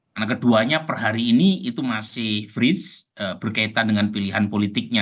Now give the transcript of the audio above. karena keduanya per hari ini itu masih freeze berkaitan dengan pilihan politiknya